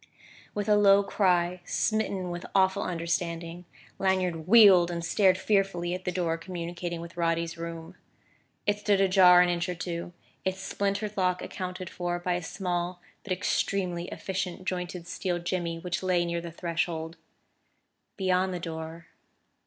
With a low cry, smitten with awful understanding, Lanyard wheeled and stared fearfully at the door communicating with Roddy's room. It stood ajar an inch or two, its splintered lock accounted for by a small but extremely efficient jointed steel jimmy which lay near the threshold. Beyond the door